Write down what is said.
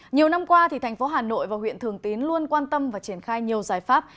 nhiều năm qua thành phố hà nội và huyện thường tín luôn quan tâm và triển khai nhiều giải pháp